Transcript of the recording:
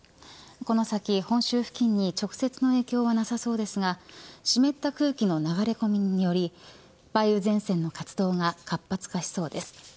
この先、本州付近に直接の影響はなさそうですが湿った空気の流れ込みにより梅雨前線の活動が活発化しそうです。